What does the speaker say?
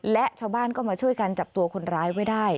และชาวบ้านก็มาช่วยกันจับตัวคนร้ายไว้ได้